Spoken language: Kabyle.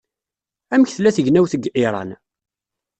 Amek tella tegnewt deg Iṛan?